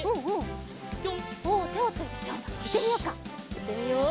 いってみよう！